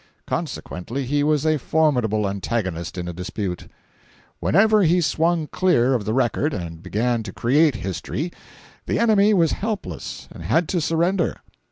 Consequently he was a formidable antagonist in a dispute. Whenever he swung clear of the record and began to create history, the enemy was helpless and had to surrender.